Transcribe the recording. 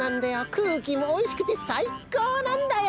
くうきもおいしくてさいこうなんだよ！